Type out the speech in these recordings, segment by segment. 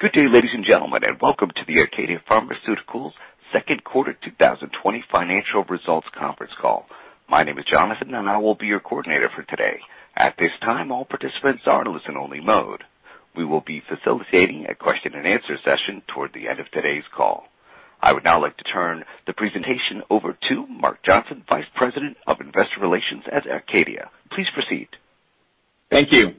Good day, ladies and gentlemen, and welcome to the ACADIA Pharmaceuticals Second Quarter 2020 Financial Results Conference Call. My name is Jonathan, and I will be your coordinator for today. At this time, all participants are in listen only mode. We will be facilitating a question-and-answer session toward the end of today's call. I would now like to turn the presentation over to Mark Johnson, Vice President of Investor Relations at ACADIA. Please proceed. Thank you.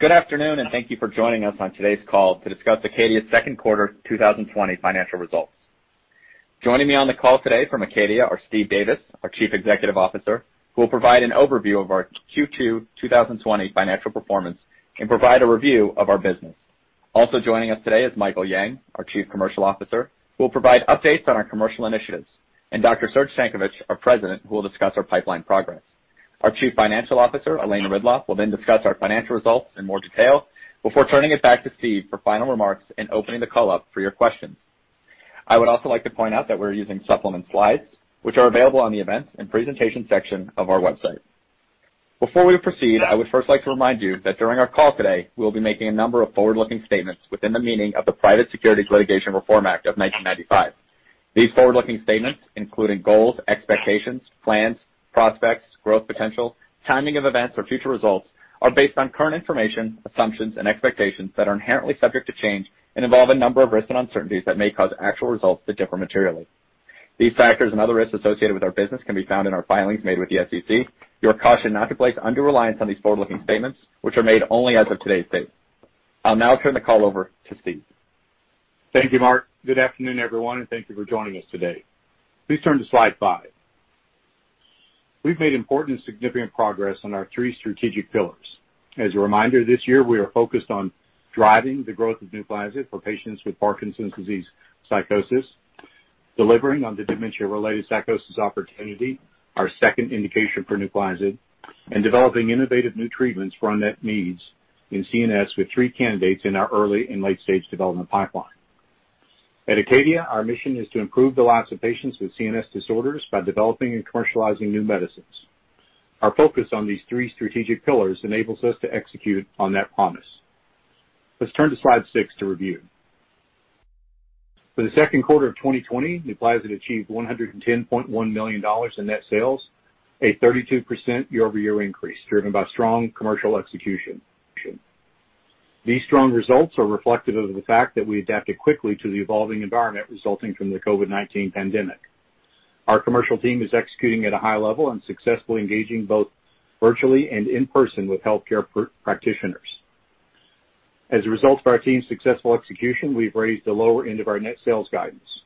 Good afternoon, and thank you for joining us on today's call to discuss ACADIA's second quarter 2020 financial results. Joining me on the call today from ACADIA are Steve Davis, our Chief Executive Officer, who will provide an overview of our Q2 2020 financial performance and provide a review of our business. Also joining us today is Michael Yang, our Chief Commercial Officer, who will provide updates on our commercial initiatives, and Dr. Serge Stankovic, our President, who will discuss our pipeline progress. Our Chief Financial Officer, Elena Ridloff, will discuss our financial results in more detail before turning it back to Steve for final remarks and opening the call up for your questions. I would also like to point out that we're using supplement slides, which are available on the events and presentation section of our website. Before we proceed, I would first like to remind you that during our call today, we'll be making a number of forward-looking statements within the meaning of the Private Securities Litigation Reform Act of 1995. These forward-looking statements, including goals, expectations, plans, prospects, growth potential, timing of events, or future results are based on current information, assumptions, and expectations that are inherently subject to change and involve a number of risks and uncertainties that may cause actual results to differ materially. These factors and other risks associated with our business can be found in our filings made with the SEC. You are cautioned not to place undue reliance on these forward-looking statements, which are made only as of today's date. I'll now turn the call over to Steve. Thank you, Mark. Good afternoon, everyone, and thank you for joining us today. Please turn to slide five. We've made important and significant progress on our three strategic pillars. As a reminder, this year we are focused on driving the growth of NUPLAZID for patients with Parkinson's disease psychosis, delivering on the dementia-related psychosis opportunity, our second indication for NUPLAZID, and developing innovative new treatments for unmet needs in CNS with three candidates in our early and late-stage development pipeline. At ACADIA, our mission is to improve the lives of patients with CNS disorders by developing and commercializing new medicines. Our focus on these three strategic pillars enables us to execute on that promise. Let's turn to slide six to review. For the second quarter of 2020, NUPLAZID achieved $110.1 million in net sales, a 32% year-over-year increase driven by strong commercial execution. These strong results are reflective of the fact that we adapted quickly to the evolving environment resulting from the COVID-19 pandemic. Our commercial team is executing at a high level and successfully engaging both virtually and in person with healthcare practitioners. As a result of our team's successful execution, we've raised the lower end of our net sales guidance.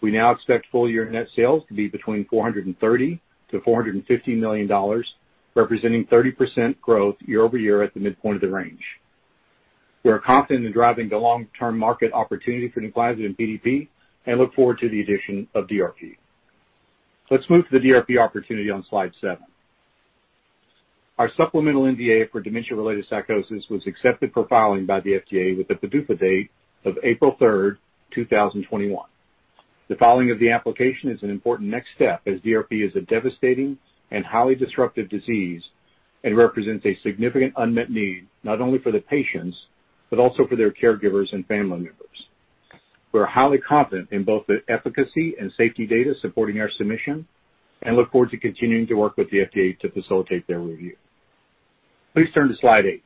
We now expect full-year net sales to be between $430 million-$450 million, representing 30% growth year-over-year at the midpoint of the range. We are confident in driving the long-term market opportunity for NUPLAZID in PDP and look forward to the addition of DRP. Let's move to the DRP opportunity on slide seven. Our supplemental NDA for dementia-related psychosis was accepted for filing by the FDA with the PDUFA date of April 3rd, 2021. The filing of the application is an important next step, as DRP is a devastating and highly disruptive disease and represents a significant unmet need, not only for the patients, but also for their caregivers and family members. We are highly confident in both the efficacy and safety data supporting our submission and look forward to continuing to work with the FDA to facilitate their review. Please turn to slide eight.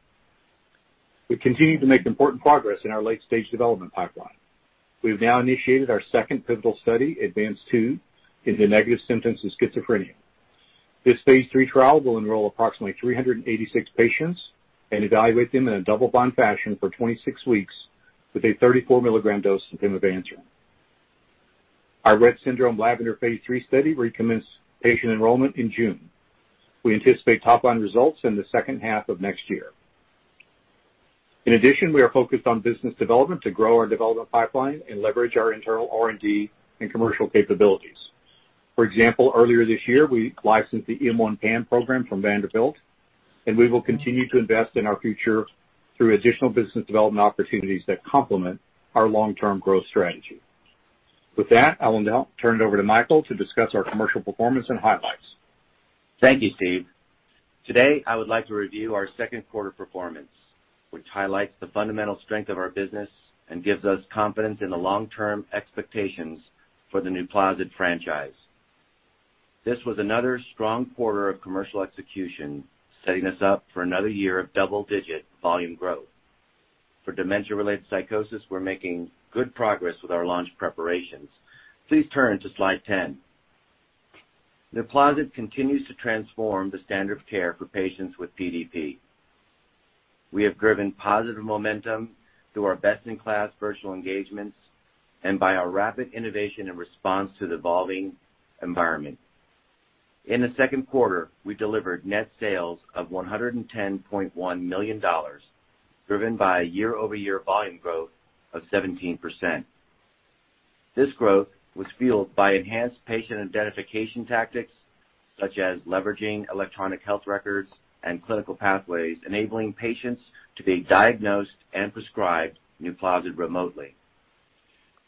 We continue to make important progress in our late-stage development pipeline. We've now initiated our second pivotal study, ADVANCE-2, into negative symptoms of schizophrenia. This phase III trial will enroll approximately 386 patients and evaluate them in a double-blind fashion for 26 weeks with a 34 mg dose of pimavanserin. Our Rett syndrome LAVENDER phase III study recommenced patient enrollment in June. We anticipate top-line results in the second half of next year. In addition, we are focused on business development to grow our development pipeline and leverage our internal R&D and commercial capabilities. For example, earlier this year, we licensed the M1 PAM program from Vanderbilt. We will continue to invest in our future through additional business development opportunities that complement our long-term growth strategy. With that, I will now turn it over to Michael to discuss our commercial performance and highlights. Thank you, Steve. Today, I would like to review our second quarter performance, which highlights the fundamental strength of our business and gives us confidence in the long-term expectations for the NUPLAZID franchise. This was another strong quarter of commercial execution, setting us up for another year of double-digit volume growth. For dementia-related psychosis, we're making good progress with our launch preparations. Please turn to slide 10. NUPLAZID continues to transform the standard of care for patients with PDP. We have driven positive momentum through our best-in-class virtual engagements and by our rapid innovation and response to the evolving environment. In the second quarter, we delivered net sales of $110.1 million, driven by year-over-year volume growth of 17%. This growth was fueled by enhanced patient identification tactics, such as leveraging electronic health records and clinical pathways, enabling patients to be diagnosed and prescribed NUPLAZID remotely.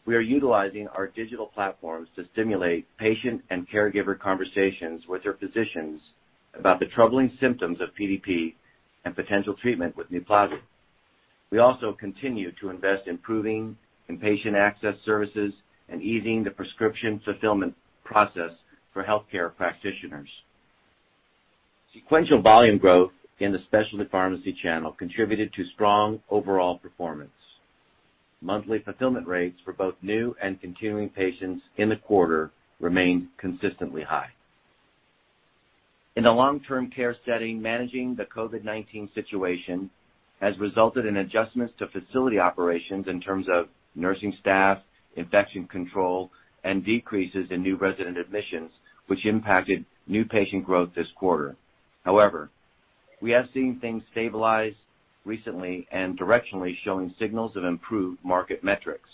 We are utilizing our digital platforms to stimulate patient and caregiver conversations with their physicians about the troubling symptoms of PDP and potential treatment with NUPLAZID. We also continue to invest in improving patient access services and easing the prescription fulfillment process for healthcare practitioners. Sequential volume growth in the specialty pharmacy channel contributed to strong overall performance. Monthly fulfillment rates for both new and continuing patients in the quarter remained consistently high. In the long-term care setting, managing the COVID-19 situation has resulted in adjustments to facility operations in terms of nursing staff, infection control, and decreases in new resident admissions, which impacted new patient growth this quarter. However, we have seen things stabilize recently and directionally showing signals of improved market metrics.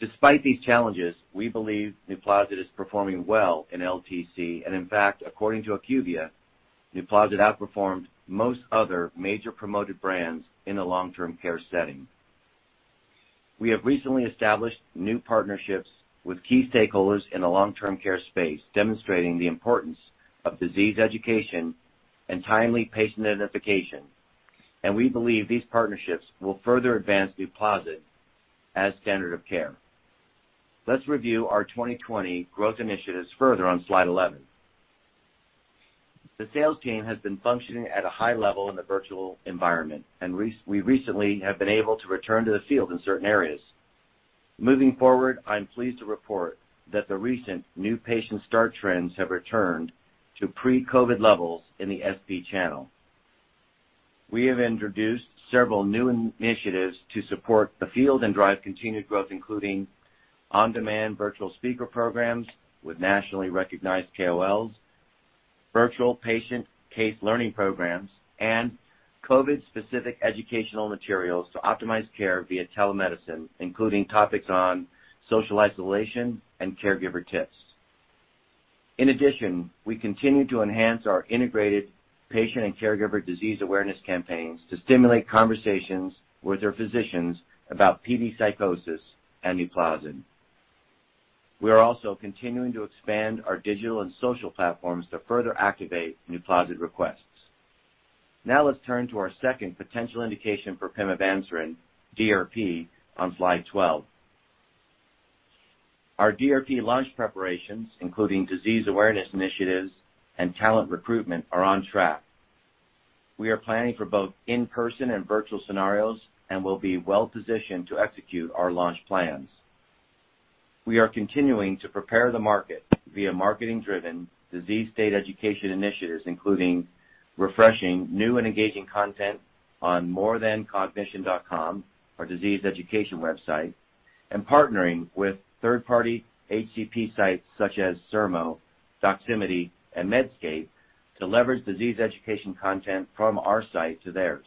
Despite these challenges, we believe NUPLAZID is performing well in LTC, and in fact, according to IQVIA, NUPLAZID outperformed most other major promoted brands in the long-term care setting. We have recently established new partnerships with key stakeholders in the long-term care space, demonstrating the importance of disease education and timely patient identification, and we believe these partnerships will further advance NUPLAZID as standard of care. Let's review our 2020 growth initiatives further on slide 11. The sales team has been functioning at a high level in the virtual environment, and we recently have been able to return to the field in certain areas. Moving forward, I'm pleased to report that the recent new patient start trends have returned to pre-COVID levels in the SP channel. We have introduced several new initiatives to support the field and drive continued growth, including on-demand virtual speaker programs with nationally recognized KOLs, virtual patient case learning programs, and COVID-specific educational materials to optimize care via telemedicine, including topics on social isolation and caregiver tips. We continue to enhance our integrated patient and caregiver disease awareness campaigns to stimulate conversations with their physicians about PD psychosis and NUPLAZID. We are also continuing to expand our digital and social platforms to further activate NUPLAZID requests. Let's turn to our second potential indication for pimavanserin, DRP, on slide 12. Our DRP launch preparations, including disease awareness initiatives and talent recruitment, are on track. We are planning for both in-person and virtual scenarios and will be well-positioned to execute our launch plans. We are continuing to prepare the market via marketing-driven disease state education initiatives, including refreshing new and engaging content on morethancognition.com, our disease education website, and partnering with third-party HCP sites such as Sermo, Doximity, and Medscape to leverage disease education content from our site to theirs.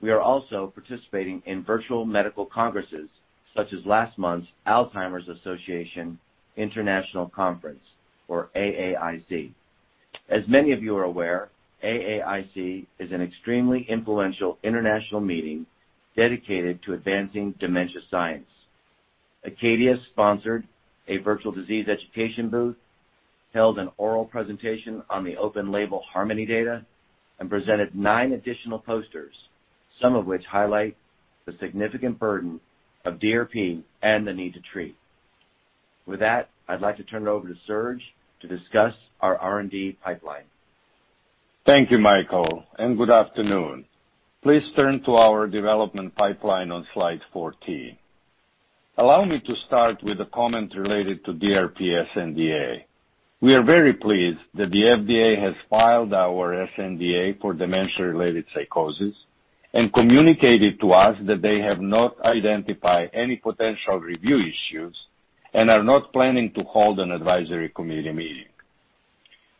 We are also participating in virtual medical congresses such as last month's Alzheimer's Association International Conference, or AAIC. As many of you are aware, AAIC is an extremely influential international meeting dedicated to advancing dementia science. ACADIA sponsored a virtual disease education booth, held an oral presentation on the open-label HARMONY data, and presented nine additional posters, some of which highlight the significant burden of DRP and the need to treat. With that, I'd like to turn it over to Serge to discuss our R&D pipeline. Thank you, Michael, and good afternoon. Please turn to our development pipeline on slide 14. Allow me to start with a comment related to DRP sNDA. We are very pleased that the FDA has filed our sNDA for dementia-related psychosis and communicated to us that they have not identified any potential review issues and are not planning to hold an advisory committee meeting.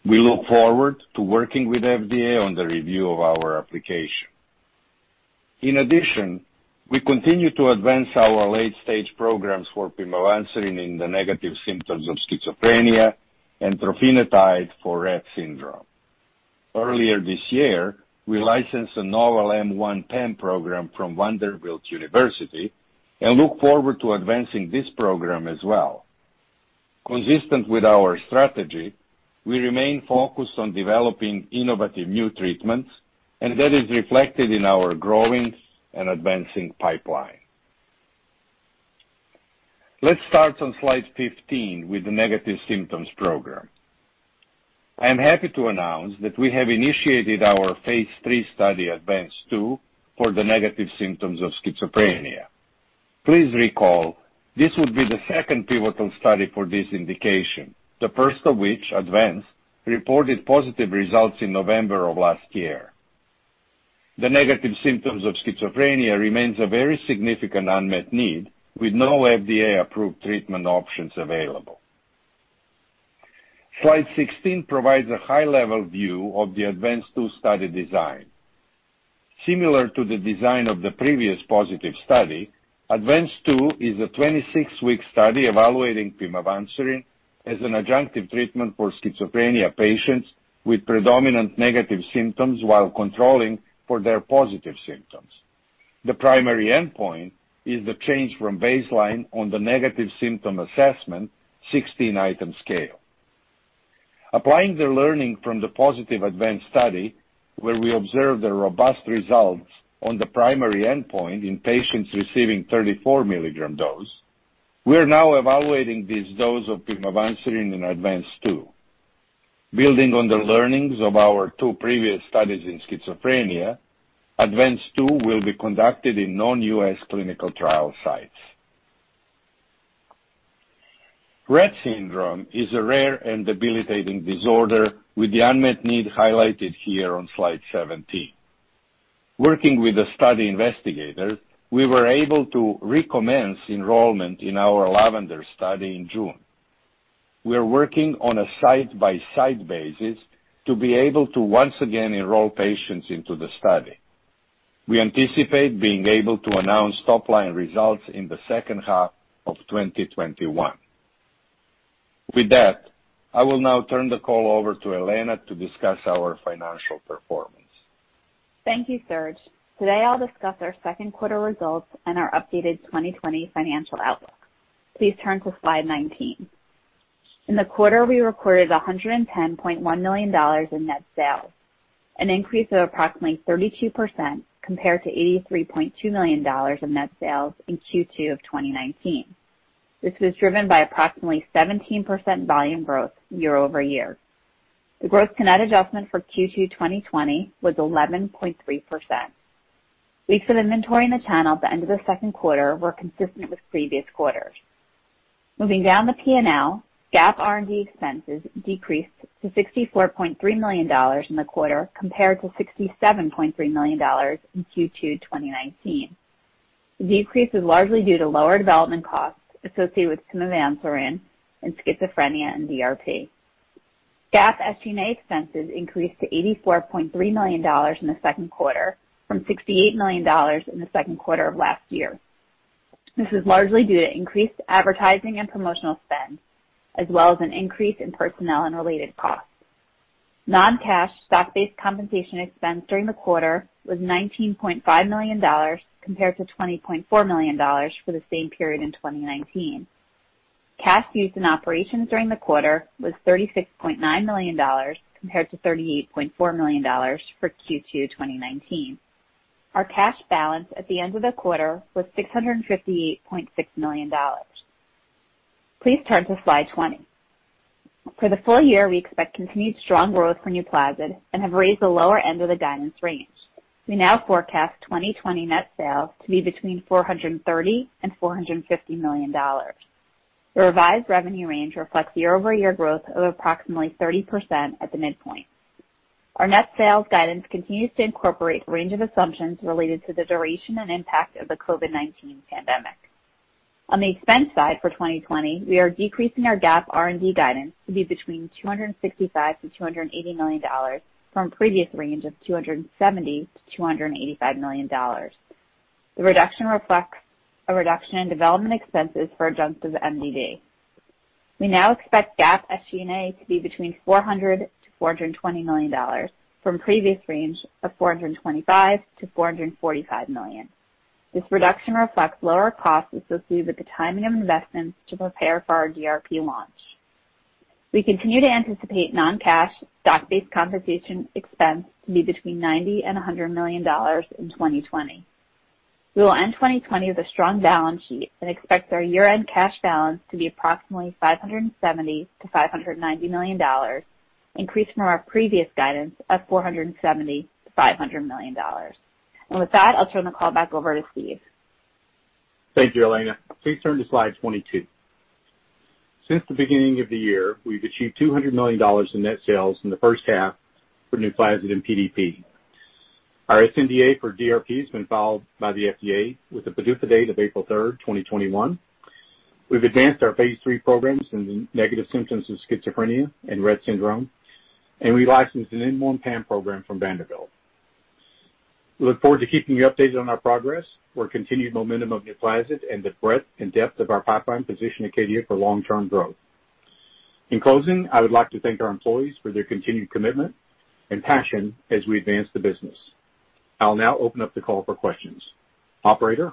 We look forward to working with FDA on the review of our application. We continue to advance our late-stage programs for pimavanserin in the negative symptoms of schizophrenia and trofinetide for Rett syndrome. Earlier this year, we licensed a novel M110 program from Vanderbilt University and look forward to advancing this program as well. Consistent with our strategy, we remain focused on developing innovative new treatments, and that is reflected in our growing and advancing pipeline. Let's start on slide 15 with the negative symptoms program. I am happy to announce that we have initiated our phase III study ADVANCE-2 for the negative symptoms of schizophrenia. Please recall, this would be the second pivotal study for this indication, the first of which, ADVANCE, reported positive results in November of last year. The negative symptoms of schizophrenia remains a very significant unmet need, with no FDA-approved treatment options available. Slide 16 provides a high-level view of the ADVANCE-2 study design. Similar to the design of the previous positive study, ADVANCE-2 is a 26-week study evaluating pimavanserin As an adjunctive treatment for schizophrenia patients with predominant negative symptoms while controlling for their positive symptoms. The primary endpoint is the change from baseline on the negative symptom assessment 16-item scale. Applying the learning from the positive ADVANCE study, where we observed the robust results on the primary endpoint in patients receiving 34 milligram dose, we are now evaluating this dose of pimavanserin in ADVANCE-2. Building on the learnings of our two previous studies in schizophrenia, ADVANCE-2 will be conducted in non-U.S. clinical trial sites. Rett syndrome is a rare and debilitating disorder with the unmet need highlighted here on slide 17. Working with a study investigator, we were able to recommence enrollment in our LAVENDER study in June. We are working on a site-by-site basis to be able to once again enroll patients into the study. We anticipate being able to announce top-line results in the second half of 2021. With that, I will now turn the call over to Elena to discuss our financial performance. Thank you, Serge. Today I'll discuss our second quarter results and our updated 2020 financial outlook. Please turn to slide 19. In the quarter, we recorded $110.1 million in net sales, an increase of approximately 32% compared to $83.2 million in net sales in Q2 of 2019. This was driven by approximately 17% volume growth year-over-year. The gross-to-net adjustment for Q2 2020 was 11.3%. Weeks of inventory in the channel at the end of the second quarter were consistent with previous quarters. Moving down the P&L, GAAP R&D expenses decreased to $64.3 million in the quarter compared to $67.3 million in Q2 2019. The decrease is largely due to lower development costs associated with pimavanserin in schizophrenia and DRP. GAAP SG&A expenses increased to $84.3 million in the second quarter from $68 million in the second quarter of last year. This is largely due to increased advertising and promotional spend, as well as an increase in personnel and related costs. Non-cash stock-based compensation expense during the quarter was $19.5 million compared to $20.4 million for the same period in 2019. Cash used in operations during the quarter was $36.9 million compared to $38.4 million for Q2 2019. Our cash balance at the end of the quarter was $658.6 million. Please turn to slide 20. For the full year, we expect continued strong growth for NUPLAZID and have raised the lower end of the guidance range. We now forecast 2020 net sales to be between $430 million and $450 million. The revised revenue range reflects year-over-year growth of approximately 30% at the midpoint. Our net sales guidance continues to incorporate a range of assumptions related to the duration and impact of the COVID-19 pandemic. On the expense side for 2020, we are decreasing our GAAP R&D guidance to be between $265 million-$280 million from the previous range of $270 million-$285 million. The reduction reflects a reduction in development expenses for adjunctive MDD. We now expect GAAP SG&A to be between $400 million-$420 million from the previous range of $425 million-$445 million. This reduction reflects lower costs associated with the timing of investments to prepare for our DRP launch. We continue to anticipate non-cash stock-based compensation expense to be between $90 million and $100 million in 2020. We will end 2020 with a strong balance sheet and expect our year-end cash balance to be approximately $570 million-$590 million, increased from our previous guidance of $470 million-$500 million. With that, I'll turn the call back over to Steve. Thank you, Elena. Please turn to slide 22. Since the beginning of the year, we've achieved $200 million in net sales in the first half for NUPLAZID and PDP. Our sNDA for DRP has been filed by the FDA with a PDUFA date of April 3rd, 2021. We've advanced our phase III programs in the negative symptoms of schizophrenia and Rett syndrome, and we licensed an M1/PAM program from Vanderbilt. We look forward to keeping you updated on our progress. We're continued momentum of NUPLAZID and the breadth and depth of our pipeline position ACADIA for long-term growth. In closing, I would like to thank our employees for their continued commitment and passion as we advance the business. I'll now open up the call for questions. Operator?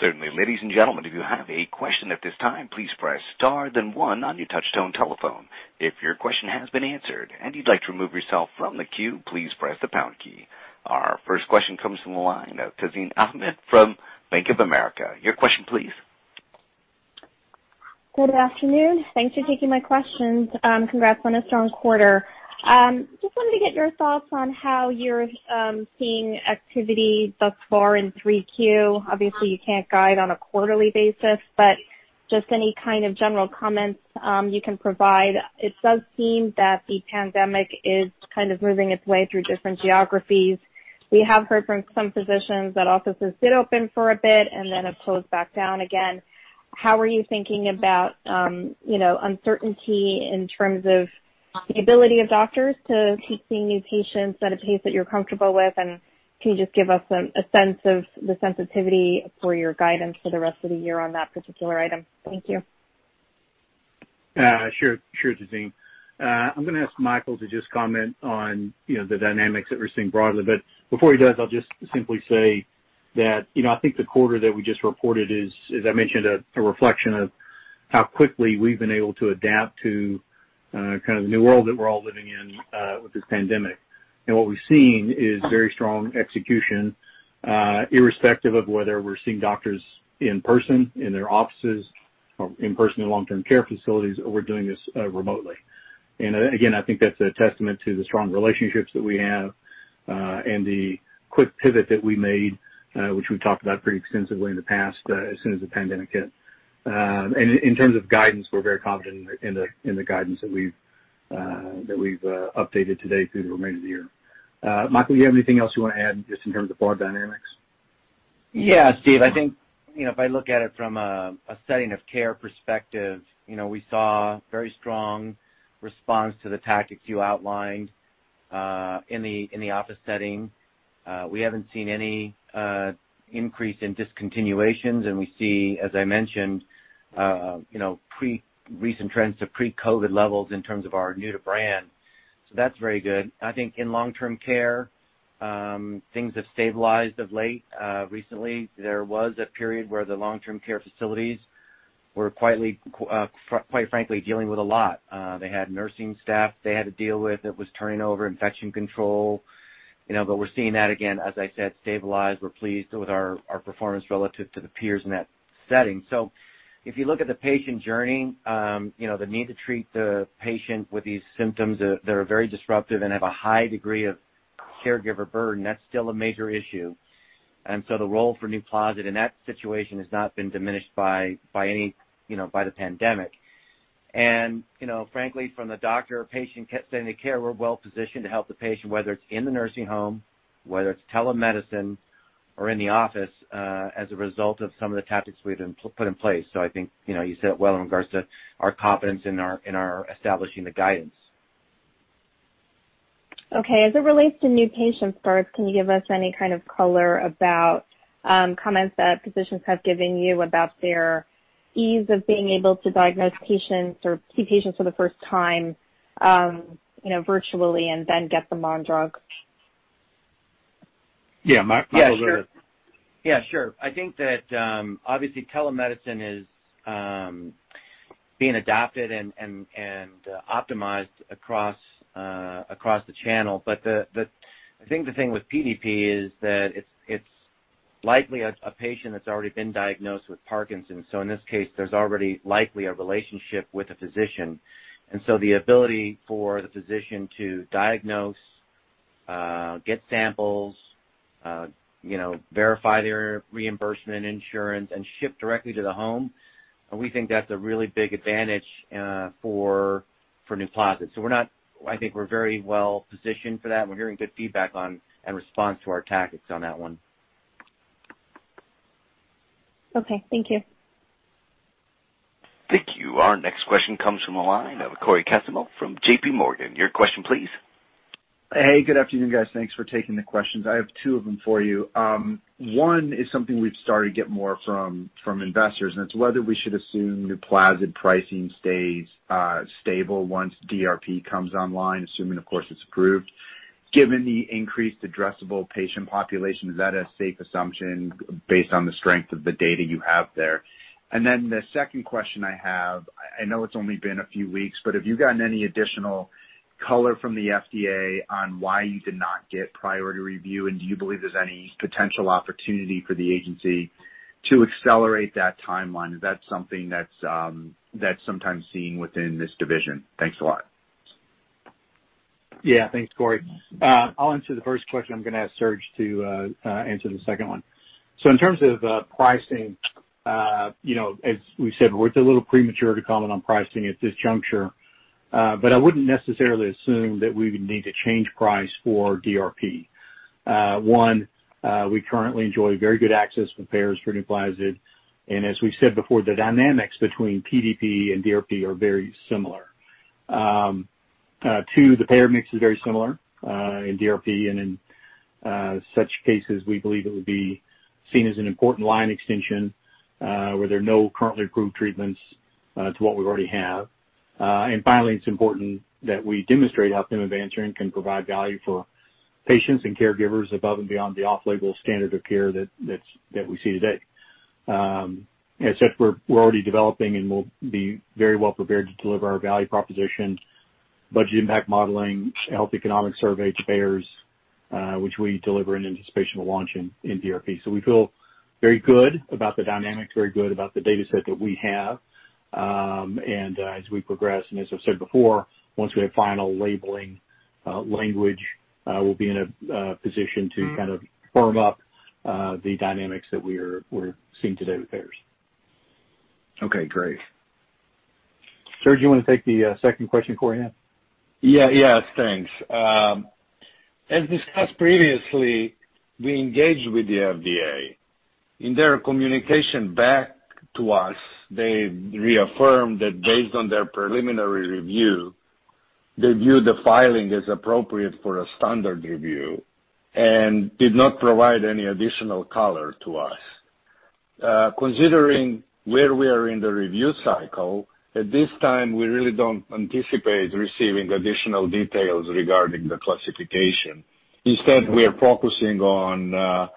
Certainly. Ladies and gentlemen, if you have a question at this time, please press star, then one on your touchtone telephone. If your question has been answered and you'd like to remove yourself from the queue, please press the pound key. Our first question comes from the line of Tazeen Ahmad from Bank of America. Your question please. Good afternoon. Thanks for taking my questions. Congrats on a strong quarter. Just wanted to get your thoughts on how you're seeing activity thus far in 3Q. Obviously, you can't guide on a quarterly basis, but just any kind of general comments you can provide. It does seem that the pandemic is kind of moving its way through different geographies. We have heard from some physicians that offices did open for a bit and then have closed back down again. How are you thinking about uncertainty in terms of the ability of doctors to take seeing new patients at a pace that you're comfortable with, and can you just give us a sense of the sensitivity for your guidance for the rest of the year on that particular item? Thank you. Sure, Tazeen. I'm going to ask Michael to just comment on the dynamics that we're seeing broadly, but before he does, I'll just simply say that I think the quarter that we just reported is, as I mentioned, a reflection of how quickly we've been able to adapt to the new world that we're all living in with this pandemic. What we've seen is very strong execution, irrespective of whether we're seeing doctors in person, in their offices or in person in long-term care facilities, or we're doing this remotely. Again, I think that's a testament to the strong relationships that we have and the quick pivot that we made, which we've talked about pretty extensively in the past, as soon as the pandemic hit. In terms of guidance, we're very confident in the guidance that we've updated today through the remainder of the year. Michael, do you have anything else you want to add just in terms of our dynamics? Yeah, Steve, I think if I look at it from a setting of care perspective, we saw very strong response to the tactics you outlined in the office setting. We haven't seen any increase in discontinuations, and we see, as I mentioned, recent trends to pre-COVID levels in terms of our new-to-brand. That's very good. I think in long-term care, things have stabilized of late. Recently, there was a period where the long-term care facilities were, quite frankly, dealing with a lot. They had nursing staff they had to deal with that was turning over infection control, but we're seeing that again, as I said, stabilized. We're pleased with our performance relative to the peers in that setting. If you look at the patient journey, the need to treat the patient with these symptoms that are very disruptive and have a high degree of caregiver burden, that's still a major issue. The role for NUPLAZID in that situation has not been diminished by the pandemic. Frankly, from the doctor or patient standpoint of care, we're well positioned to help the patient, whether it's in the nursing home, whether it's telemedicine or in the office, as a result of some of the tactics we've put in place. I think you said it well in regards to our confidence in establishing the guidance. Okay. As it relates to new patient starts, can you give us any kind of color about comments that physicians have given you about their ease of being able to diagnose patients or see patients for the first time virtually and then get them on drug? Yeah, Michael. Yeah, sure. I think that, obviously, telemedicine is being adopted and optimized across the channel. I think the thing with PDP is that it's likely a patient that's already been diagnosed with Parkinson's. In this case, there's already likely a relationship with a physician. The ability for the physician to diagnose, get samples, verify their reimbursement insurance, and ship directly to the home, we think that's a really big advantage for NUPLAZID. I think we're very well positioned for that, and we're hearing good feedback on and response to our tactics on that one. Okay. Thank you. Thank you. Our next question comes from the line of Cory Kasimov from JPMorgan. Your question, please. Hey, good afternoon, guys. Thanks for taking the questions. I have two of them for you. One is something we've started to get more from investors, and it's whether we should assume NUPLAZID pricing stays stable once DRP comes online, assuming, of course, it's approved. Given the increased addressable patient population, is that a safe assumption based on the strength of the data you have there? The second question I have, I know it's only been a few weeks, but have you gotten any additional color from the FDA on why you did not get priority review? Do you believe there's any potential opportunity for the agency to accelerate that timeline? Is that something that's sometimes seen within this division? Thanks a lot. Thanks, Cory. I'll answer the first question. I'm going to ask Serge to answer the second one. In terms of pricing, as we said, we're a little premature to comment on pricing at this juncture. I wouldn't necessarily assume that we would need to change price for DRP. One, we currently enjoy very good access with payers for NUPLAZID, and as we said before, the dynamics between PDP and DRP are very similar. Two, the payer mix is very similar in DRP, and in such cases, we believe it would be seen as an important line extension where there are no currently approved treatments to what we already have. Finally, it's important that we demonstrate how pimavanserin can provide value for patients and caregivers above and beyond the off-label standard of care that we see today. As said, we're already developing and will be very well prepared to deliver our value proposition, budget impact modeling, health economic survey to payers, which we deliver in anticipation of launching in DRP. We feel very good about the dynamics, very good about the data set that we have. As we progress, and as I've said before, once we have final labeling language, we'll be in a position to firm up the dynamics that we're seeing today with payers. Okay, great. Serge, you want to take the second question, Cory? Yeah. Thanks. As discussed previously, we engaged with the FDA. In their communication back to us, they reaffirmed that based on their preliminary review, they view the filing as appropriate for a standard review and did not provide any additional color to us. Considering where we are in the review cycle, at this time, we really don't anticipate receiving additional details regarding the classification. We are focusing on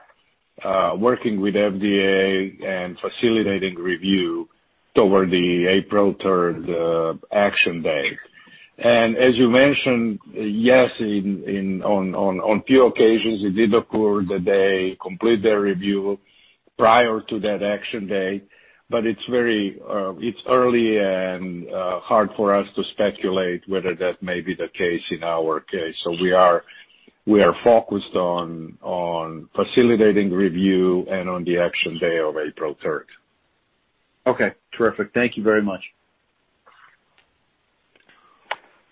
working with FDA and facilitating review toward the April 3rd action date. As you mentioned, yes, on few occasions, it did occur that they complete their review prior to that action date. It's early and hard for us to speculate whether that may be the case in our case. We are focused on facilitating review and on the action day of April 3rd. Okay, terrific. Thank you very much.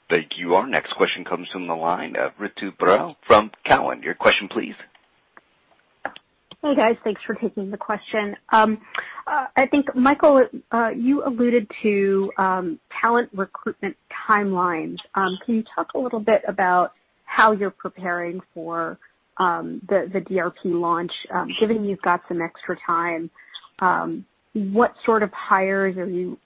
Thank you. Our next question comes from the line of Ritu Baral from Cowen. Your question, please. Hey, guys. Thanks for taking the question. I think, Michael, you alluded to talent recruitment timelines. Can you talk a little bit about how you're preparing for the DRP launch, given you've got some extra time? What sort of hires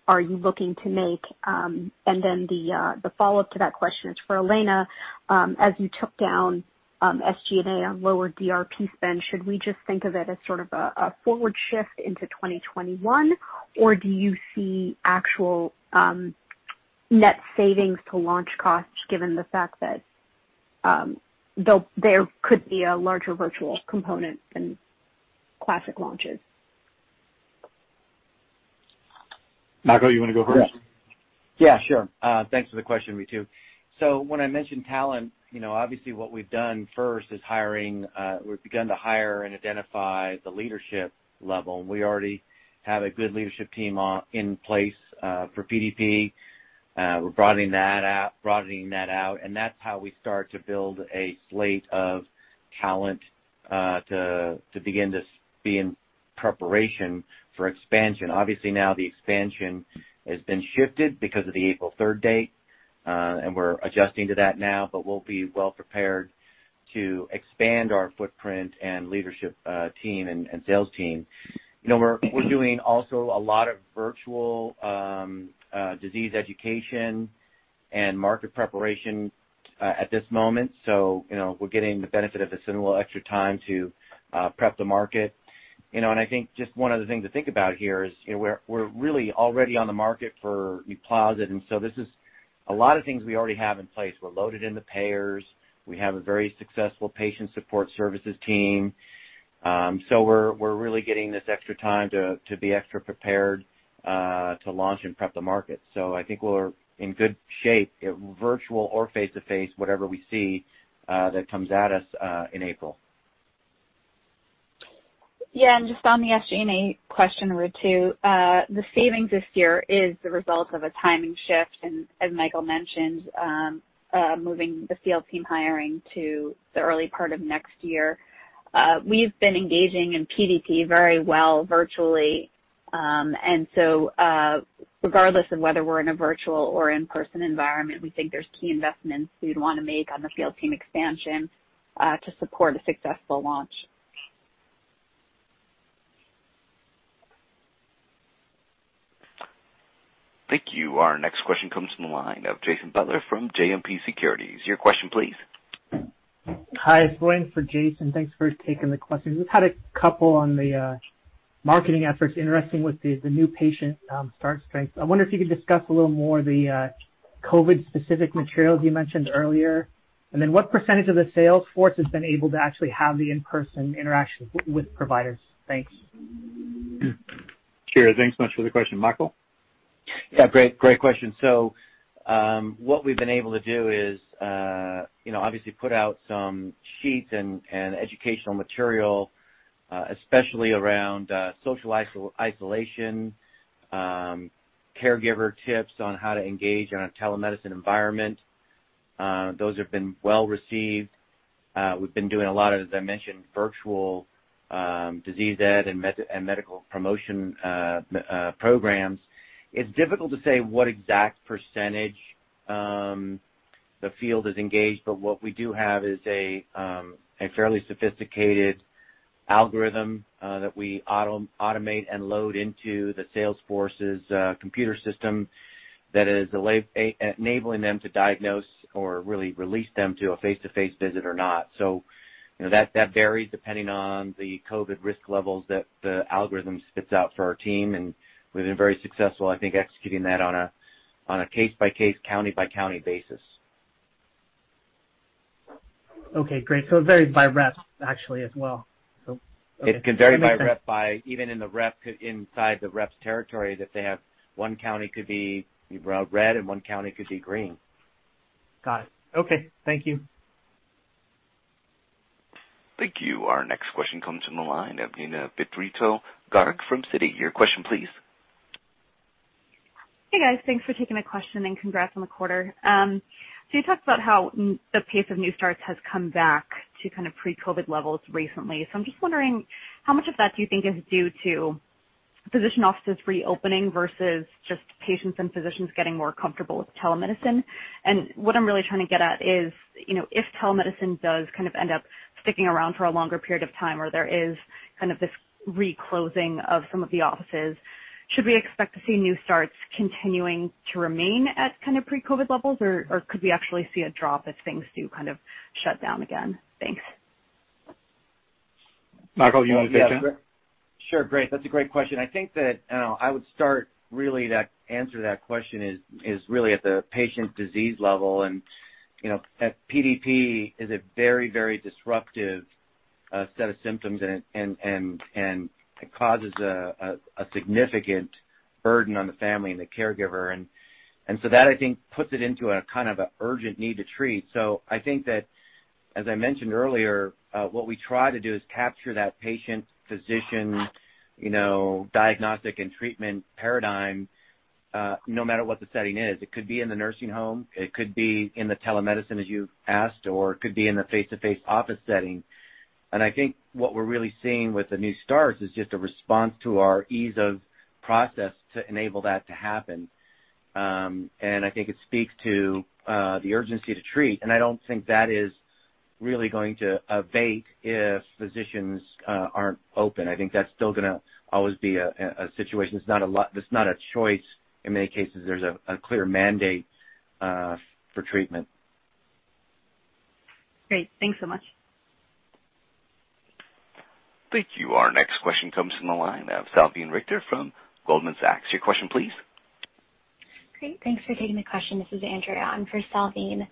are you looking to make? The follow-up to that question is for Elena. As you took down SG&A on lower DRP spend, should we just think of it as sort of a forward shift into 2021, or do you see actual net savings to launch costs given the fact that there could be a larger virtual component than classic launches? Michael, you want to go first? Yeah, sure. Thanks for the question, Ritu. When I mentioned talent, obviously what we've done first is we've begun to hire and identify the leadership level. We already have a good leadership team in place for PDP. We're broadening that out, and that's how we start to build a slate of talent to begin to be in preparation for expansion. Now the expansion has been shifted because of the April 3rd date. We're adjusting to that now, but we'll be well prepared to expand our footprint and leadership team and sales team. We're doing also a lot of virtual disease education and market preparation at this moment. We're getting the benefit of this little extra time to prep the market. I think just one other thing to think about here is we're really already on the market for NUPLAZID. This is a lot of things we already have in place. We're loaded in the payers. We have a very successful patient support services team. We're really getting this extra time to be extra prepared to launch and prep the market. I think we're in good shape, virtual or face-to-face, whatever we see that comes at us in April. Just on the SG&A question, Ritu, the savings this year is the result of a timing shift and as Michael mentioned, moving the field team hiring to the early part of next year. We've been engaging in PDP very well virtually. Regardless of whether we're in a virtual or in-person environment, we think there's key investments we'd want to make on the field team expansion to support a successful launch. Thank you. Our next question comes from the line of Jason Butler from JMP Securities. Your question, please. Hi, it's Glenn for Jason. Thanks for taking the question. We've had a couple on the marketing efforts intersecting with the new patient start strength. I wonder if you could discuss a little more the COVID-specific materials you mentioned earlier. Then what percentage of the sales force has been able to actually have the in-person interactions with providers? Thanks. Sure. Thanks so much for the question. Michael? Yeah, great question. What we've been able to do is obviously put out some sheets and educational material, especially around social isolation, caregiver tips on how to engage in a telemedicine environment. Those have been well received. We've been doing a lot of, as I mentioned, virtual disease education and medical promotion programs. It's difficult to say what exact percentage the field is engaged, but what we do have is a fairly sophisticated algorithm that we automate and load into the sales force's computer system that is enabling them to diagnose or really release them to a face-to-face visit or not. That varies depending on the COVID risk levels that the algorithm spits out for our team, and we've been very successful, I think, executing that on a case-by-case, county-by-county basis. Okay, great. It varies by rep actually as well. Okay. It can vary by rep by even inside the rep's territory that they have one county could be red and one county could be green. Got it. Okay. Thank you. Thank you. Our next question comes from the line of Neena Bitritto-Garg from Citi. Your question, please. Hey guys, thanks for taking the question and congrats on the quarter. You talked about how the pace of new starts has come back to kind of pre-COVID levels recently. I'm just wondering how much of that do you think is due to physician offices reopening versus just patients and physicians getting more comfortable with telemedicine? What I'm really trying to get at is, if telemedicine does kind of end up sticking around for a longer period of time or there is kind of this reclosing of some of the offices, should we expect to see new starts continuing to remain at kind of pre-COVID levels? Could we actually see a drop if things do kind of shut down again? Thanks. Michael, you want to take that? Sure. Great. That's a great question. I think that I would start really to answer that question is really at the patient disease level. PDP is a very, very disruptive set of symptoms and it causes a significant burden on the family and the caregiver. That I think puts it into a kind of urgent need to treat. I think that, as I mentioned earlier, what we try to do is capture that patient, physician, diagnostic and treatment paradigm, no matter what the setting is. It could be in the nursing home, it could be in the telemedicine, as you asked, or it could be in the face-to-face office setting. I think what we're really seeing with the new starts is just a response to our ease of process to enable that to happen. I think it speaks to the urgency to treat. I don't think that is really going to abate if physicians aren't open. I think that's still going to always be a situation. It's not a choice in many cases. There's a clear mandate for treatment. Great. Thanks so much. Thank you. Our next question comes from the line of Salveen Richter from Goldman Sachs. Your question please. Great. Thanks for taking the question. This is Andrea. I'm for Salveen.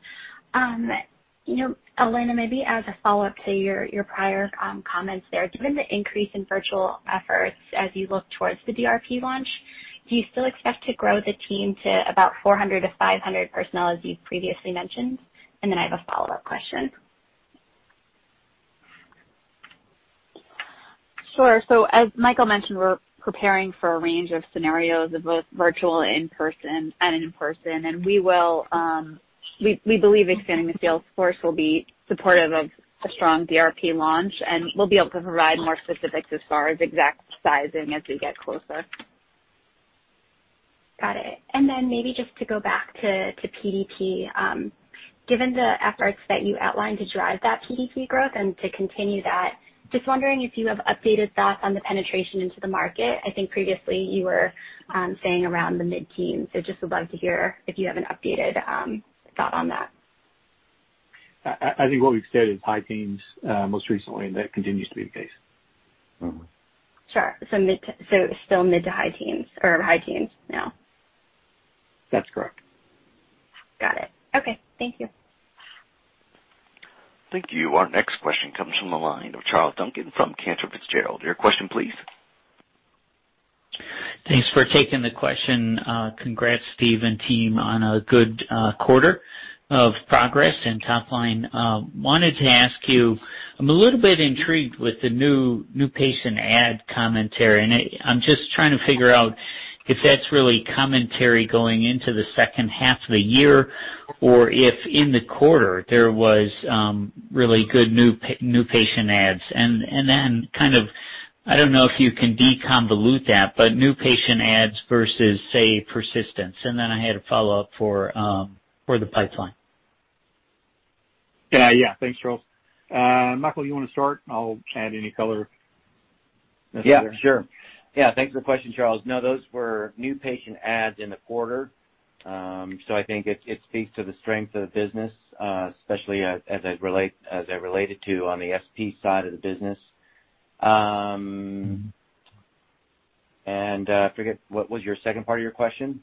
Elena, maybe as a follow-up to your prior comments there. Given the increase in virtual efforts as you look towards the DRP launch, do you still expect to grow the team to about 400-500 personnel as you've previously mentioned? I have a follow-up question. Sure. As Michael mentioned, we're preparing for a range of scenarios of both virtual and in person. We believe expanding the sales force will be supportive of a strong DRP launch, and we'll be able to provide more specifics as far as exact sizing as we get closer. Got it. Then maybe just to go back to PDP, given the efforts that you outlined to drive that PDP growth and to continue that, just wondering if you have updated thoughts on the penetration into the market. I think previously you were saying around the mid-teens, so just would love to hear if you have an updated thought on that. I think what we've said is high teens, most recently, and that continues to be the case. Mm-hmm. Sure. still mid to high teens or high teens now? That's correct. Got it. Okay. Thank you. Thank you. Our next question comes from the line of Charles Duncan from Cantor Fitzgerald. Your question please. Thanks for taking the question. Congrats, Steve and team on a good quarter of progress and top line. Wanted to ask you, I'm a little bit intrigued with the new patient add commentary. I'm just trying to figure out if that's really commentary going into the second half of the year or if in the quarter there was really good new patient adds. Kind of, I don't know if you can deconvolute that, new patient adds versus, say, persistence? I had a follow-up for the pipeline. Yeah. Thanks, Charles. Michael, you want to start? I'll add any color necessary. Yeah, sure. Thanks for the question, Charles. Those were new patient adds in the quarter. I think it speaks to the strength of the business, especially as I related to on the SP side of the business. I forget, what was your second part of your question?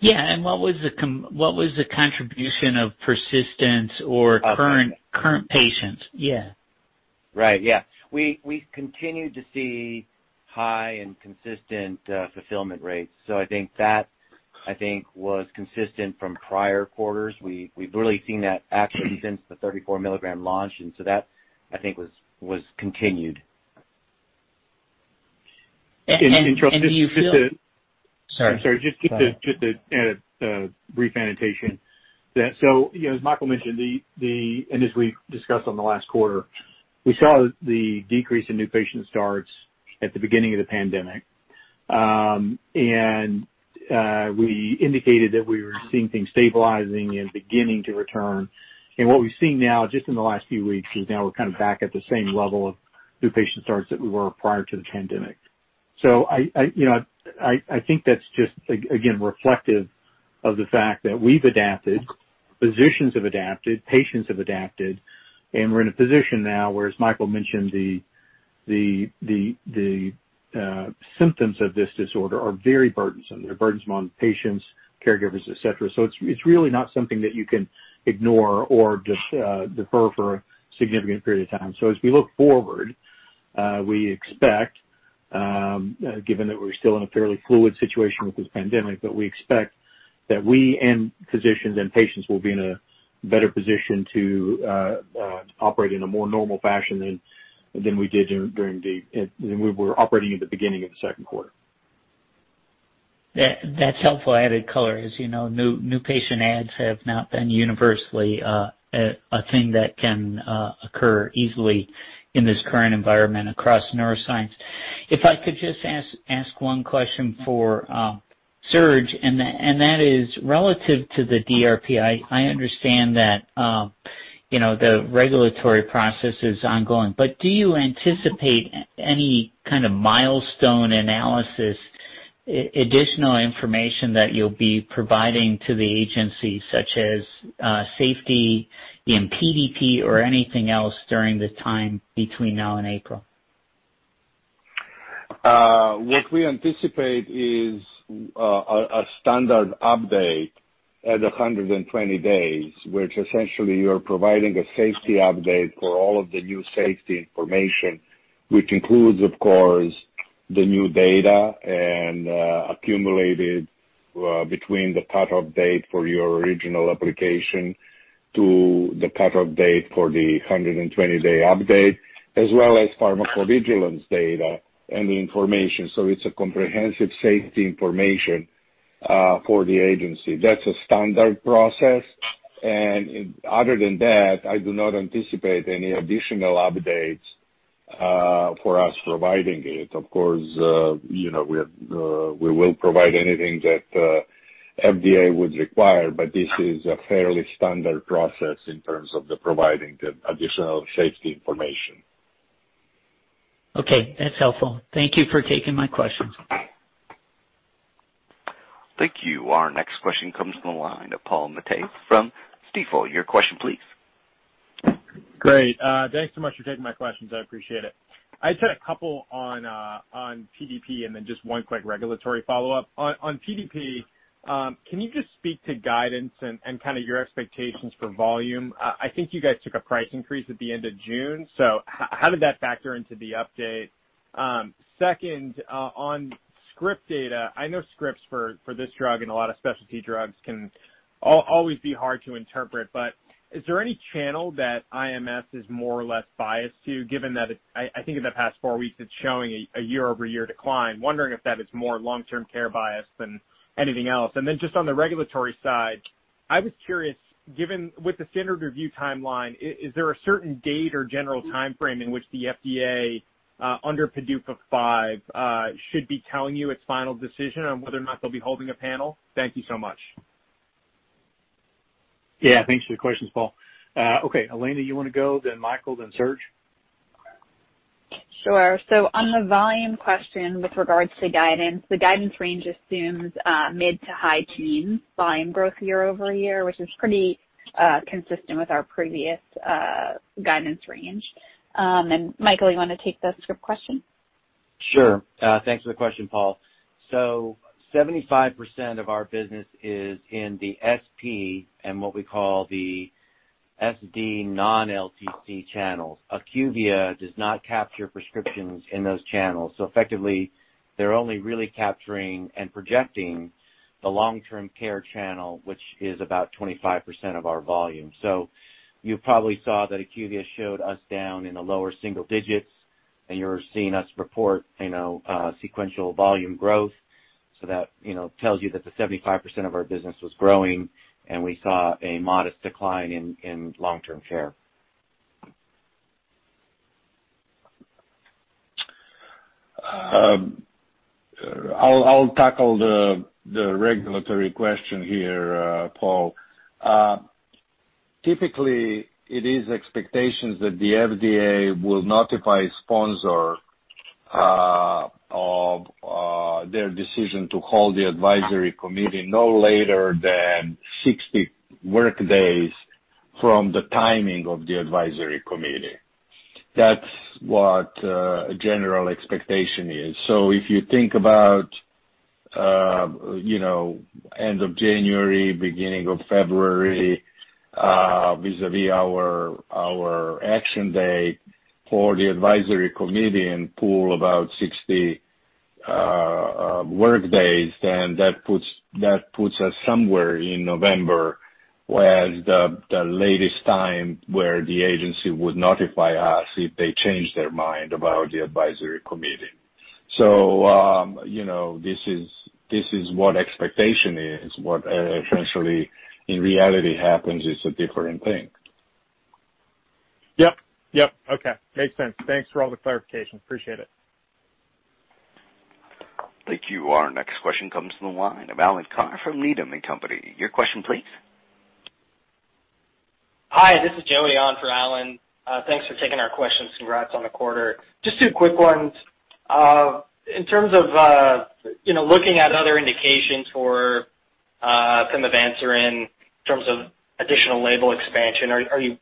Yeah. What was the contribution of persistence or current patients? Right. Yeah. We continue to see high and consistent fulfillment rates. I think that was consistent from prior quarters. We've really seen that actually since the 34 mg launch, that I think was continued. I'm sorry. Just to add a brief annotation. As Michael mentioned, and as we discussed on the last quarter, we saw the decrease in new patient starts at the beginning of the pandemic. We indicated that we were seeing things stabilizing and beginning to return. What we've seen now, just in the last few weeks, is now we're kind of back at the same level of new patient starts that we were prior to the pandemic. I think that's just, again, reflective of the fact that we've adapted, physicians have adapted, patients have adapted, and we're in a position now where, as Michael mentioned, the symptoms of this disorder are very burdensome. They're burdensome on patients, caregivers, et cetera. It's really not something that you can ignore or just defer for a significant period of time. As we look forward, we expect, given that we're still in a fairly fluid situation with this pandemic, but that we and physicians and patients will be in a better position to operate in a more normal fashion than we were operating in the beginning of the second quarter. That's helpful added color. As you know, new patient adds have not been universally a thing that can occur easily in this current environment across neuroscience. If I could just ask one question for Serge, and that is relative to the DRP. I understand that the regulatory process is ongoing, but do you anticipate any kind of milestone analysis, additional information that you'll be providing to the agency, such as safety in PDP or anything else during the time between now and April? What we anticipate is a standard update at 120 days, which essentially you're providing a safety update for all of the new safety information, which includes, of course, the new data and accumulated between the cutoff date for your original application to the cutoff date for the 120-day update, as well as pharmacovigilance data and information. It's a comprehensive safety information for the agency. That's a standard process. Other than that, I do not anticipate any additional updates for us providing it. Of course, we will provide anything that FDA would require. This is a fairly standard process in terms of the providing the additional safety information. Okay. That's helpful. Thank you for taking my questions. Thank you. Our next question comes from the line of Paul Matteis from Stifel. Your question, please. Great. Thanks so much for taking my questions. I appreciate it. I just had a couple on PDP and then just one quick regulatory follow-up. On PDP, can you just speak to guidance and kind of your expectations for volume? I think you guys took a price increase at the end of June. How did that factor into the update? Second, on script data. I know scripts for this drug and a lot of specialty drugs can always be hard to interpret, but is there any channel that IMS is more or less biased to, given that I think in the past four weeks it's showing a year-over-year decline. Wondering if that is more long-term care bias than anything else. Then just on the regulatory side, I was curious, with the standard review timeline, is there a certain date or general timeframe in which the FDA under PDUFA V should be telling you its final decision on whether or not they'll be holding a panel? Thank you so much. Yeah, thanks for the questions, Paul. Okay, Elena, you want to go, then Michael, then Serge? Sure. On the volume question with regards to guidance, the guidance range assumes mid to high teens volume growth year-over-year, which is pretty consistent with our previous guidance range. Michael, you want to take the script question? Sure. Thanks for the question, Paul. 75% of our business is in the SP and what we call the SD non-LTC channels. IQVIA does not capture prescriptions in those channels. Effectively, they're only really capturing and projecting the long-term care channel, which is about 25% of our volume. You probably saw that IQVIA showed us down in the lower single digits, and you're seeing us report sequential volume growth. That tells you that the 75% of our business was growing, and we saw a modest decline in long-term care. I'll tackle the regulatory question here, Paul. Typically, it is expectations that the FDA will notify sponsor of their decision to call the advisory committee no later than 60 workdays from the timing of the advisory committee. That's what a general expectation is. If you think about end of January, beginning of February vis-a-vis our action date for the advisory committee and pull about 60 workdays, then that puts us somewhere in November as the latest time where the agency would notify us if they change their mind about the advisory committee. This is what expectation is. What essentially in reality happens is a different thing. Yep. Okay. Makes sense. Thanks for all the clarification. Appreciate it. Thank you. Our next question comes from the line of Alan Carr from Needham & Company. Your question, please. Hi, this is Joey on for Alan. Thanks for taking our questions. Congrats on the quarter. Just two quick ones. In terms of looking at other indications for pimavanserin, in terms of additional label expansion, are you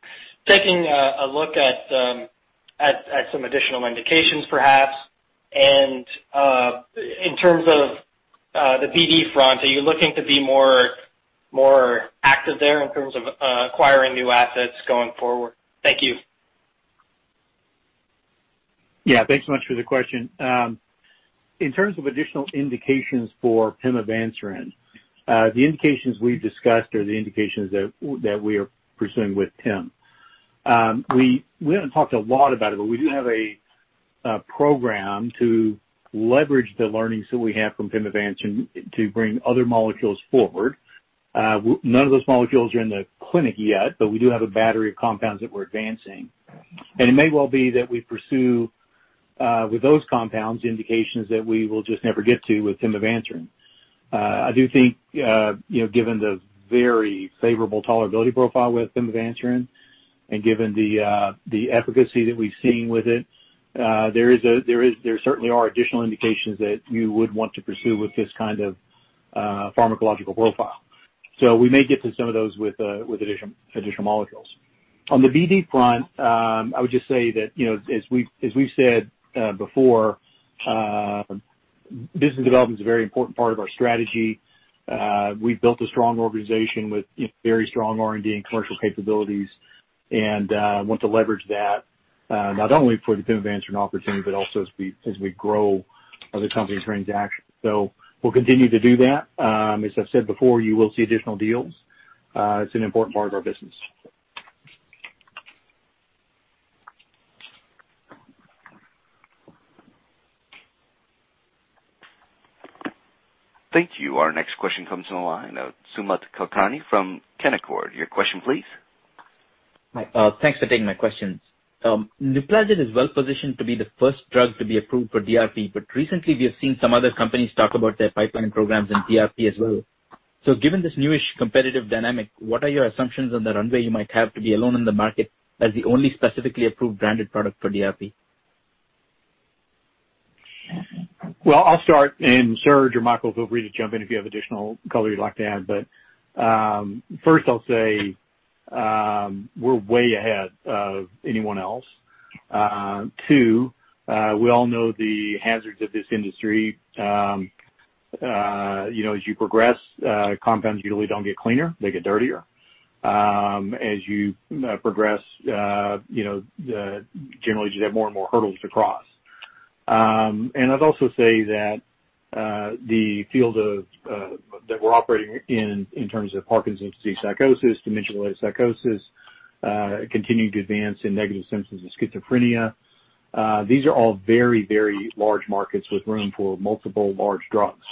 taking a look at some additional indications perhaps? In terms of the BD front, are you looking to be more active there in terms of acquiring new assets going forward? Thank you. Thanks so much for the question. In terms of additional indications for pimavanserin, the indications we've discussed are the indications that we are pursuing with PIM. We haven't talked a lot about it, but we do have a program to leverage the learnings that we have from pimavanserin to bring other molecules forward. None of those molecules are in the clinic yet, but we do have a battery of compounds that we're advancing. It may well be that we pursue, with those compounds, indications that we will just never get to with pimavanserin. I do think, given the very favorable tolerability profile with pimavanserin, and given the efficacy that we've seen with it, there certainly are additional indications that you would want to pursue with this kind of pharmacological profile. We may get to some of those with additional molecules. On the BD front, I would just say that as we've said before, business development is a very important part of our strategy. We've built a strong organization with very strong R&D and commercial capabilities and want to leverage that, not only for the pimavanserin opportunity, but also as we grow other company transactions. We'll continue to do that. As I've said before, you will see additional deals. It's an important part of our business. Thank you. Our next question comes on the line of Sumant Kulkarni from Canaccord. Your question, please. Hi. Thanks for taking my questions. NUPLAZID is well-positioned to be the first drug to be approved for DRP. Recently we have seen some other companies talk about their pipeline programs in DRP as well. Given this newish competitive dynamic, what are your assumptions on the runway you might have to be alone in the market as the only specifically approved branded product for DRP? Well, I'll start, and Serge or Michael, feel free to jump in if you have additional color you'd like to add. First I'll say, we're way ahead of anyone else. Two, we all know the hazards of this industry. As you progress, compounds usually don't get cleaner, they get dirtier. As you progress, generally, you just have more and more hurdles to cross. I'd also say that the field that we're operating in terms of Parkinson's disease psychosis, dementia-related psychosis, continuing to advance in negative symptoms of schizophrenia, these are all very large markets with room for multiple large drugs.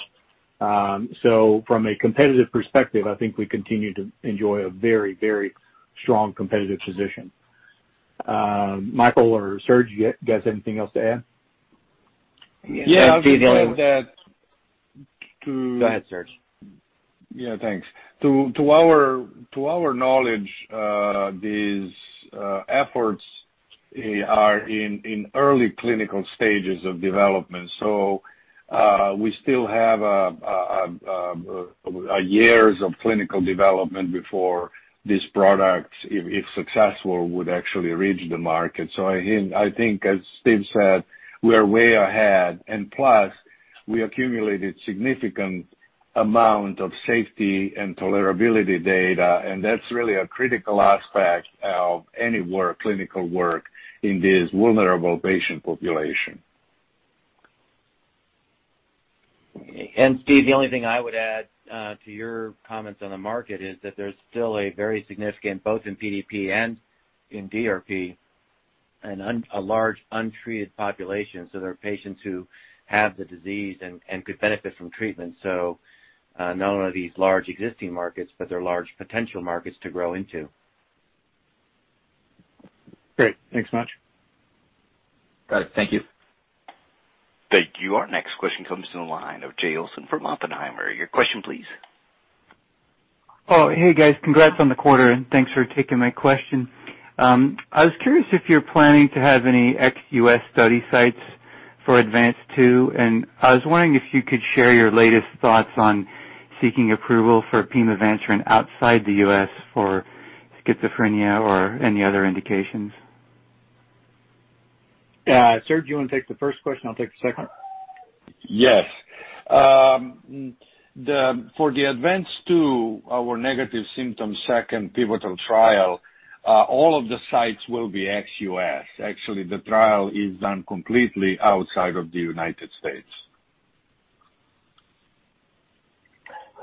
From a competitive perspective, I think we continue to enjoy a very strong competitive position. Michael or Serge, you guys anything else to add? Yeah. Go ahead, Serge. Yeah, thanks. To our knowledge, these efforts are in early clinical stages of development. We still have years of clinical development before this product, if successful, would actually reach the market. I think as Steve said, we are way ahead and plus we accumulated significant amount of safety and tolerability data, and that's really a critical aspect of any clinical work in this vulnerable patient population. Steve, the only thing I would add to your comments on the market is that there's still a very significant, both in PDP and in DRP, a large untreated population. There are patients who have the disease and could benefit from treatment. Not only are these large existing markets, but they're large potential markets to grow into. Great. Thanks much. Got it. Thank you. Thank you. Our next question comes to the line of Jay Olson from Oppenheimer. Your question, please. Oh, hey guys. Congrats on the quarter. Thanks for taking my question. I was curious if you're planning to have any ex-U.S. study sites for ADVANCE-2. I was wondering if you could share your latest thoughts on seeking approval for pimavanserin outside the U.S. for schizophrenia or any other indications? Serge, do you want to take the first question? I'll take the second. Yes. For the ADVANCE-2, our negative symptoms second pivotal trial, all of the sites will be ex-U.S. Actually, the trial is done completely outside of the United States.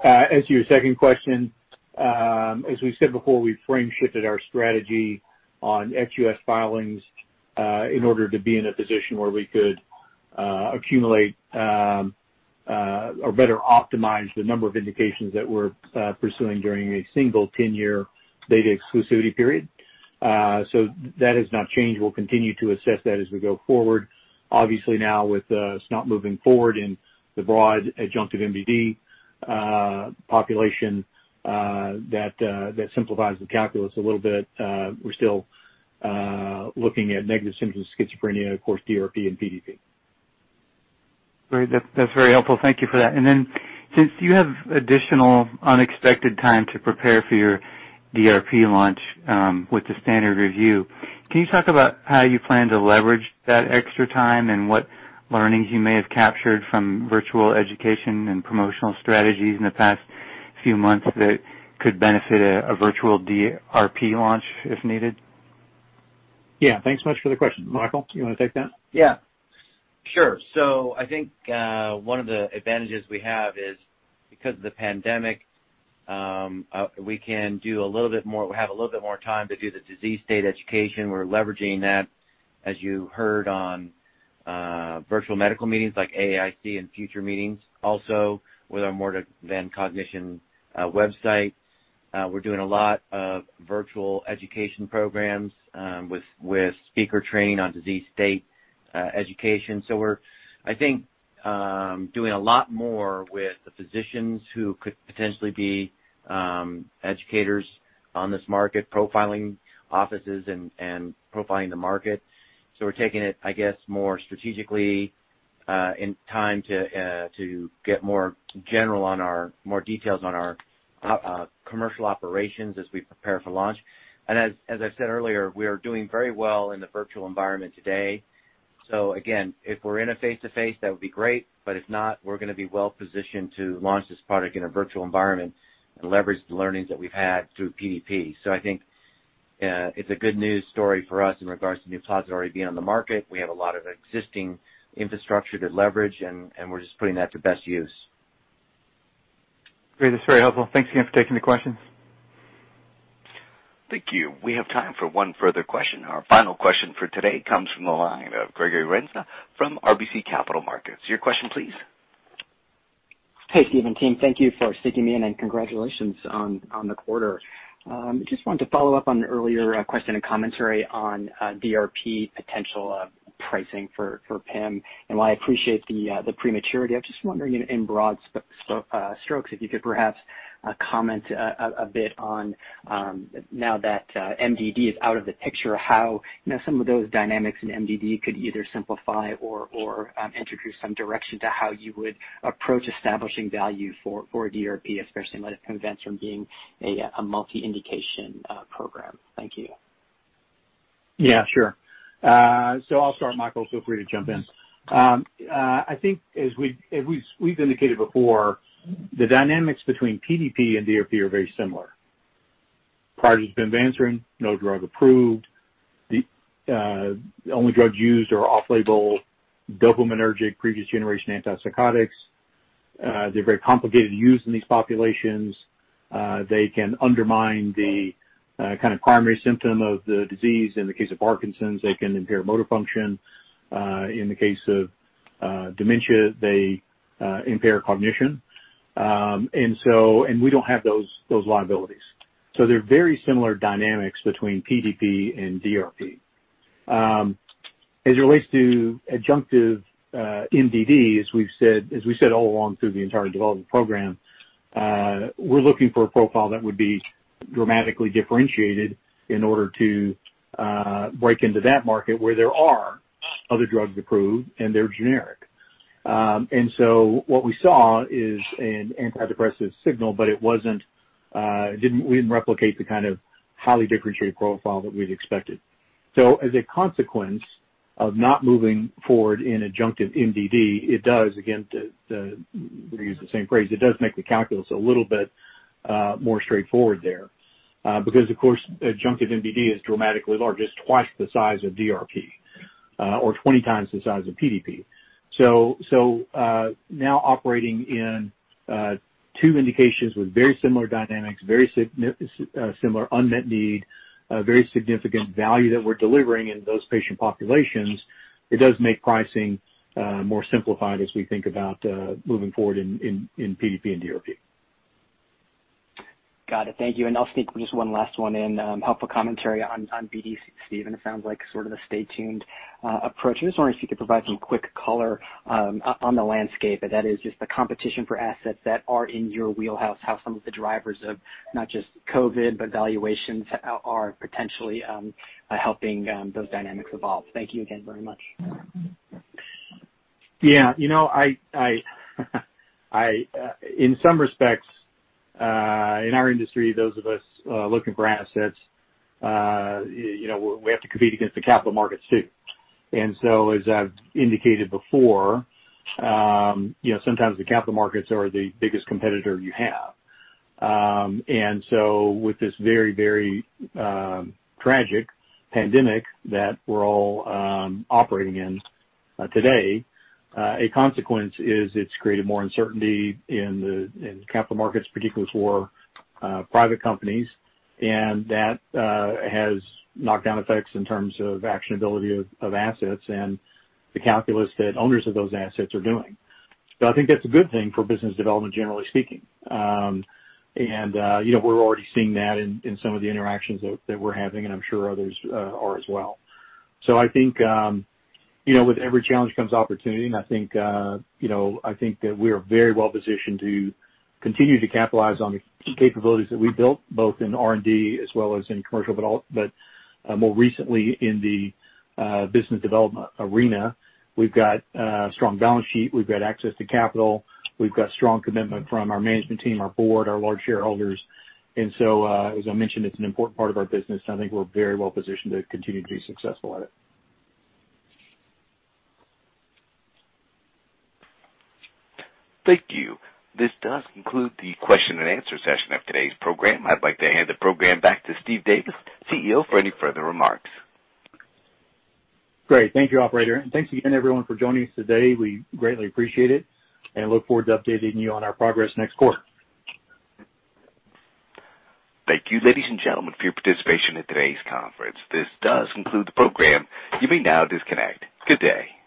As to your second question, as we've said before, we've frame shifted our strategy on ex-U.S. filings, in order to be in a position where we could accumulate, or better optimize the number of indications that we're pursuing during a single 10 year data exclusivity period. That has not changed. We'll continue to assess that as we go forward. Obviously now with sNDA moving forward in the broad adjunctive MDD population, that simplifies the calculus a little bit. We're still looking at negative symptoms of schizophrenia, of course, DRP and PDP. Great. That's very helpful. Thank you for that. Since you have additional unexpected time to prepare for your DRP launch, with the standard review, can you talk about how you plan to leverage that extra time and what learnings you may have captured from virtual education and promotional strategies in the past few months that could benefit a virtual DRP launch if needed? Yeah, thanks so much for the question. Michael, do you want to take that? Yeah. Sure. I think one of the advantages we have is because of the pandemic, we can have a little bit more time to do the disease state education. We're leveraging that, as you heard on virtual medical meetings like AAIC and future meetings, also with our morethancognition.com. We're doing a lot of virtual education programs with speaker training on disease state education. We're, I think, doing a lot more with the physicians who could potentially be educators on this market, profiling offices and profiling the market. We're taking it more strategically in time to get more details on our commercial operations as we prepare for launch. As I said earlier, we are doing very well in the virtual environment today. Again, if we're in a face-to-face, that would be great, but if not, we're going to be well-positioned to launch this product in a virtual environment and leverage the learnings that we've had through PDP. I think it's a good news story for us in regards to NUPLAZID already being on the market. We have a lot of existing infrastructure to leverage, and we're just putting that to best use. Great. That's very helpful. Thanks again for taking the questions. Thank you. We have time for one further question. Our final question for today comes from the line of Gregory Renza from RBC Capital Markets. Your question please. Hey, Steve and team. Thank you for sticking me in and congratulations on the quarter. Just wanted to follow up on an earlier question and commentary on DRP potential pricing for PIM. While I appreciate the prematurity, I'm just wondering in broad strokes, if you could perhaps comment a bit on now that MDD is out of the picture, how some of those dynamics in MDD could either simplify or introduce some direction to how you would approach establishing value for DRP, especially in light of pimavanserin being a multi-indication program. Thank you. Yeah, sure. I'll start, Michael, feel free to jump in. I think as we've indicated before, the dynamics between PDP and DRP are very similar. Prior to pimavanserin, no drug approved. The only drugs used are off-label dopaminergic previous generation antipsychotics. They're very complicated to use in these populations. They can undermine the kind of primary symptom of the disease. In the case of Parkinson's, they can impair motor function. In the case of dementia, they impair cognition. We don't have those liabilities. They're very similar dynamics between PDP and DRP. As it relates to adjunctive MDD, as we've said all along through the entire development program, we're looking for a profile that would be dramatically differentiated in order to break into that market where there are other drugs approved and they're generic. What we saw is an antidepressive signal, but we didn't replicate the kind of highly differentiated profile that we'd expected. As a consequence of not moving forward in adjunctive MDD, it does, again, to use the same phrase, it does make the calculus a little bit more straightforward there. Because of course, adjunctive MDD is dramatically larger. It's twice the size of DRP, or 20 times the size of PDP. Now operating in two indications with very similar dynamics, very similar unmet need, very significant value that we're delivering in those patient populations, it does make pricing more simplified as we think about moving forward in PDP and DRP. Got it. Thank you. I'll sneak just one last one in. Helpful commentary on BD, Steve. It sounds like sort of a stay tuned approach. I'm just wondering if you could provide some quick color on the landscape, that is just the competition for assets that are in your wheelhouse, how some of the drivers of not just COVID, but valuations are potentially helping those dynamics evolve. Thank you again very much. Yeah. In some respects, in our industry, those of us looking for assets, we have to compete against the capital markets too. As I've indicated before sometimes the capital markets are the biggest competitor you have. With this very tragic pandemic that we're all operating in today, a consequence is it's created more uncertainty in the capital markets, particularly for private companies. That has knock down effects in terms of actionability of assets and the calculus that owners of those assets are doing. I think that's a good thing for business development, generally speaking. We're already seeing that in some of the interactions that we're having, and I'm sure others are as well. I think with every challenge comes opportunity, and I think that we are very well positioned to continue to capitalize on the capabilities that we built, both in R&D as well as in commercial, but more recently in the business development arena. We've got a strong balance sheet. We've got access to capital. We've got strong commitment from our management team, our board, our large shareholders. As I mentioned, it's an important part of our business, and I think we're very well positioned to continue to be successful at it. Thank you. This does conclude the question-and-answer session of today's program. I'd like to hand the program back to Steve Davis, CEO, for any further remarks. Great. Thank you, operator. Thanks again, everyone, for joining us today. We greatly appreciate it and look forward to updating you on our progress next quarter. Thank you, ladies and gentlemen, for your participation in today's conference. This does conclude the program. You may now disconnect. Good day.